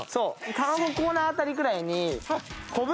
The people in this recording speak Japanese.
卵コーナー辺りくらいに小袋の。